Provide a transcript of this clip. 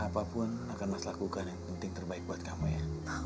apapun akan mas lakukan yang penting terbaik buat kamu ya